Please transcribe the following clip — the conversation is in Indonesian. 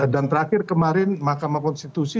dan terakhir kemarin mahkamah konstitusi